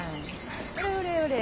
ほれほれほれ。